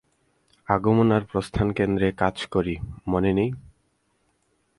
আগমন আর প্রস্থান কেন্দ্রে কাজ করি, মনে নেই?